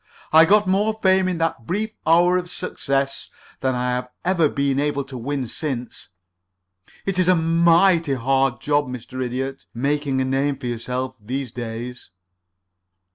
I got more fame in that brief hour of success than I have ever been able to win since. It is a mighty hard job, Mr. Idiot, making a name for yourself these days."